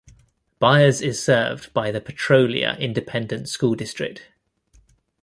Byers is served by the Petrolia Independent School District.